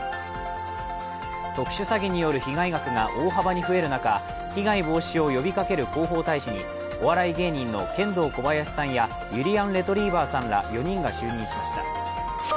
特殊詐欺による被害額が大幅に増える中、被害防止を呼びかける広報大使にお笑い芸人のケンドーコバヤシさんやゆりやんレトリィバァさんら４人が就任しました。